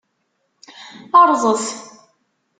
Rrẓet!